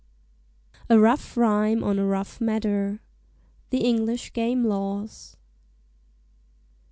A ROUGH RHYME ON A ROUGH MATTER. THE ENGLISH GAME LAWS.